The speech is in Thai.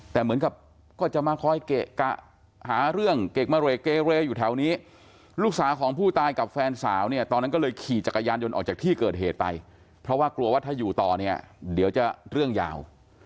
แต่เหมือนกับก็จะมาคอยเกะกะหาเรื่องเกะมะเรกเกเรอยู่แถวนี้ลูกสาวของผู้ตายกับแฟนสาวเนี่ยตอนนั้นก็เลยขี่จักรยานยนต์ออกจากที่เกิดเหตุไปเพราะว่ากลัวว่าถ้าอยู่ต่อเนี่ยเดี๋ยวจะเรื่องยาว